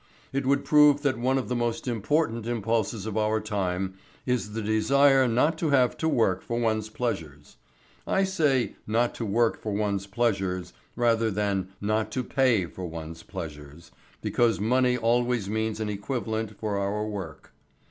It would prove that one of the most important impulses of our time is the desire not to have to work for one's pleasures. I say "not to work for one's pleasures" rather than "not to pay for one's pleasures," because money always means an equivalent for our work.